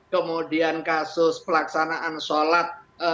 kemudian kasus pelaksanaan sholat